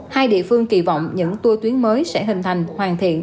hai địa phương kỳ vọng những tour tuyến mới sẽ hình thành hoàn thiện